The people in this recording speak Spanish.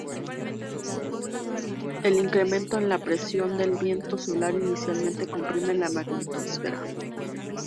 El incremento en la presión del viento solar inicialmente comprime la magnetosfera.